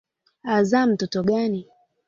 Anzaa mtoto gani?